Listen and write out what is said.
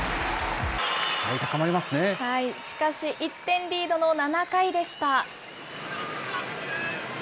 しかし、１点リードの７回でした。